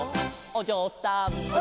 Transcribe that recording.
「おじょうさん」